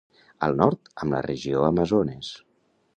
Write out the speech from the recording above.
Al nord, amb la Regió Amazones.